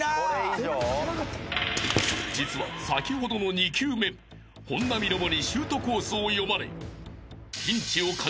［実は先ほどの２球目本並ロボにシュートコースを読まれ］